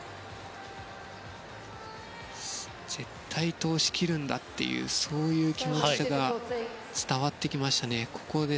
絶対通し切るんだという強い気持ちが伝わってきましたね。